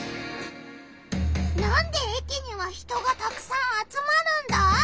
なんで駅には人がたくさん集まるんだ？